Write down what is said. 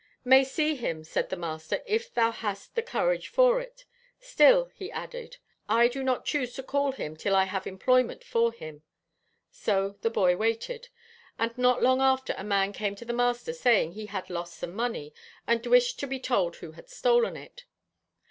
'May see him,' said the master, 'if thou hast the courage for it. Still,' he added, 'I do not choose to call him till I have employment for him.' So the boy waited; and not long after a man came to the master saying he had lost some money, and wished to be told who had stolen it.